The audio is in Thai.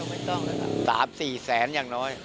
ไม่ต้องแล้วค่ะ๓๔แสนอย่างน้อย